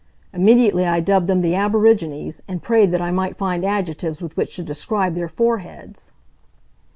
Immediately I dubbed them the aborigines, and prayed that I might find adjectives with which to describe their foreheads.